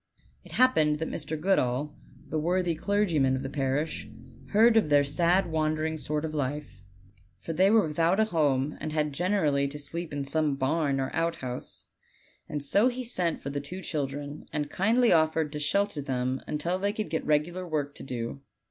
It happened that Mr. Gpodall, the worthy clergyman of the parish, heard of their sad wandering sort of life for they were with O a I w a P O ilO '! i s OLD, OLD FAIRY TALES. 3 out a home, and had generally to sleep in some barn or outhouse and so he sent for the two children, and kindly offered to shelter them until they could get regu lar work to do.